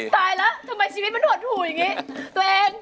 ตายละทำไมชีวิตมันหวดถูอย่างงี้